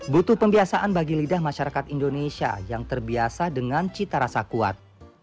butuh pembiasaan bagi lidah masyarakat indonesia yang terbiasa dengan cita rasa kuat